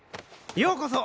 ようこそ！